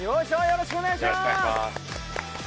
よろしくお願いします。